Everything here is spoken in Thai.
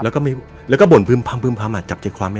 แล้วก็มีแล้วก็บ่นพรึมพรึมพรึมพรึมอะจับใจความไม่